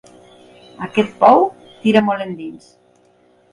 Aquest pou tira molt endins.